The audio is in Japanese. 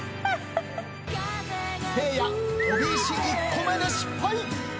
せいや飛び石１個目で失敗。